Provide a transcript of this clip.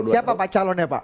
siapa pak calonnya pak